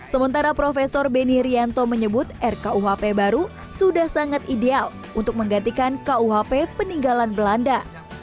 sementara prof beni rianto menyebut rkuhp baru sudah sangat ideal untuk menggantikan kuhp peninggalan belanda